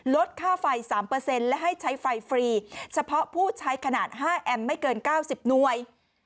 ลดค่าไฟ๓และให้ใช้ไฟฟรีเฉพาะผู้ใช้ขนาด๕แอมป์ไม่เกิน๙๐หน่วย